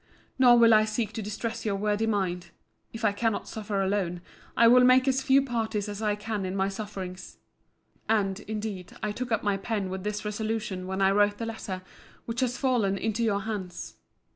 Nor will I seek to distress your worthy mind. If I cannot suffer alone, I will make as few parties as I can in my sufferings. And, indeed, I took up my pen with this resolution when I wrote the letter which has fallen into your hands.